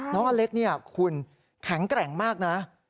อเล็กเนี่ยคุณแข็งแกร่งมากนะ